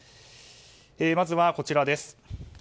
まずはこちらです。